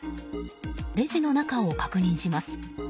レジの中を確認します。